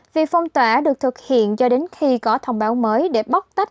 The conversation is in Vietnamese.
việc phong tỏa được thực hiện cho đến khi có thông báo mới để bóc tách